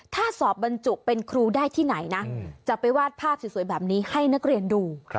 ถ้าสอบบรรจุเป็นครูได้ที่ไหนนะจะไปวาดภาพสวยแบบนี้ให้นักเรียนดู